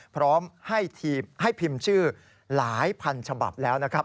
พร้อมให้พิมพ์ชื่อหลายพันฉบับแล้วนะครับ